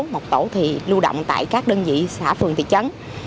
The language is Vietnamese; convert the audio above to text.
một tổ thì lưu động tại các đơn vị xã phường thị trấn